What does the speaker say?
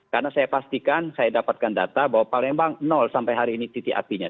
karena saya pastikan saya dapatkan data bahwa palembang nol sampai hari ini titik apinya